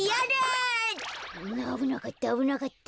あぶなかったあぶなかった。